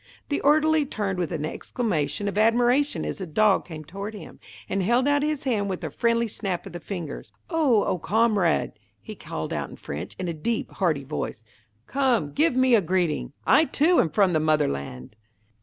The orderly turned with an exclamation of admiration as the dog came toward him, and held out his hand with a friendly snap of the fingers. "Ah, old comrade," he called out in French, in a deep, hearty voice. "Come, give me a greeting! I, too, am from the motherland."